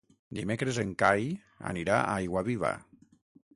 Dimecres en Cai anirà a Aiguaviva.